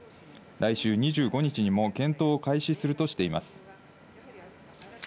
来週２５日でも検討を開始するとしています。